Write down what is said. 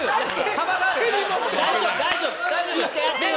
幅がある。